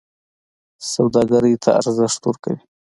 سوداګرۍ ته ارزښت ورکوي.